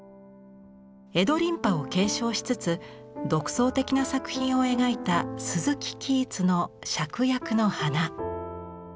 江戸琳派を継承しつつ独創的な作品を描いた鈴木其一の芍薬の花。